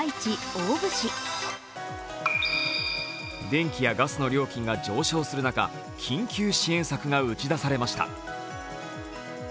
電気やガスの料金が上昇する中緊急支援策が打ち出されました。